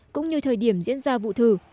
cũng như thời điểm diễn ra vụ thử